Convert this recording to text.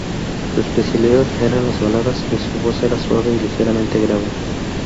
Su especialidad eran las baladas y su voz era suave y ligeramente grave.